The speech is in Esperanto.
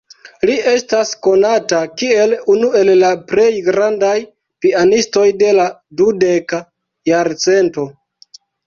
Li estas konata kiel unu el la plej grandaj pianistoj de la dudeka jarcento.